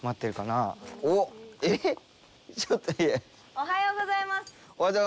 おはようございまーす。